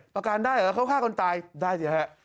ประกันได้เหรอเขาฆ่าคนตายได้สิฮะ